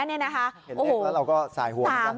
เห็นเลขแล้วเราก็สายห่วง